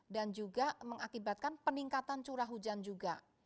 dan juga mengakibatkan peningkatan curah hujan juga